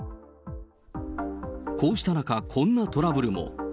こうした中、こんなトラブルも。